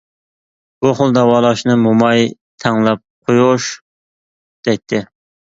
بۇ خىل داۋالاشنى موماي: «تەڭلەپ قويۇش» دەيتتى.